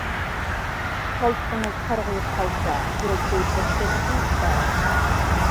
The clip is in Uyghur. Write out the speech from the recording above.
كالپۇكىڭىز سارغىيىپ قالسا، يۈرەك زەئىپلەشكەنلىكىنىڭ ئىپادىسى.